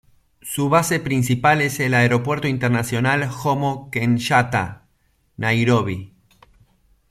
Su base principal es el Aeropuerto Internacional Jomo Kenyatta, Nairobi.